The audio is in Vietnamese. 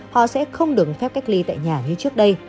họ sẽ không được phép cách ly tại nhà như trước đây